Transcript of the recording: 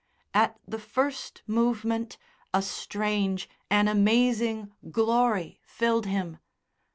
At the first movement a strange, an amazing glory filled him.